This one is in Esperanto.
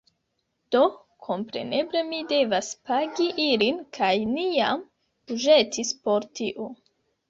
Do, kompreneble mi devas pagi ilin kaj ni jam buĝetis por tio